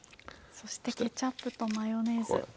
そしてケチャップとマヨネーズ。